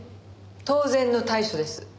当然の対処です。